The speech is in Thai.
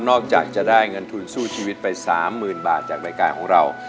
จากจะได้เงินทุนสู้ชีวิตไป๓๐๐๐บาทจากรายการของเรา